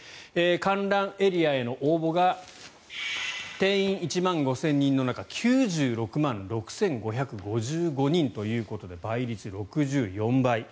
観覧エリアへの応募が定員１万５０００人の中９６万６５５５人ということで倍率６４倍。